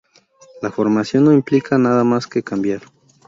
La formación no implica nada más que cambiar.